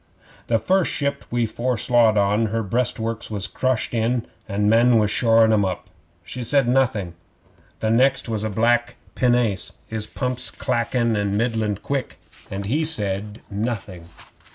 'The first ship we foreslowed on, her breastworks was crushed in, an' men was shorin' 'em up. She said nothing. The next was a black pinnace, his pumps clackin' middling quick, and he said nothing.